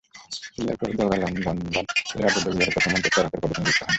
তিনি এরপর দ্গা'-ল্দান বৌদ্ধবিহারের প্রথম মন্ত্রোচ্চারকের পদে নিয়োজিত হন।